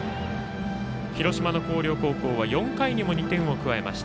広島の広陵高校は４回にも２点を加えました。